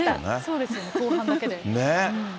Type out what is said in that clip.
そうですよね、後半だけで。